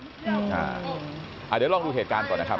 เดี๋ยวลองดูเหตุการณ์ก่อนนะครับ